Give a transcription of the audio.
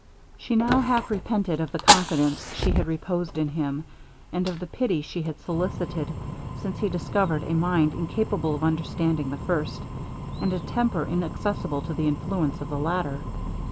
She now half repented of the confidence she had reposed in him, and of the pity she had solicited, since he discovered a mind incapable of understanding the first, and a temper inaccessible to the influence of the latter.